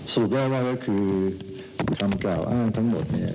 สรุปแรกแล้วคือคำกล่าวอ้างทั้งหมดเนี่ย